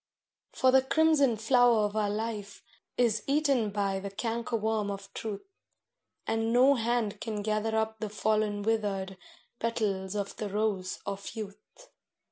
For the crimson flower of our life is eaten by the cankerworm of truth, And no hand can gather up the fallen withered petals of the rose of youth.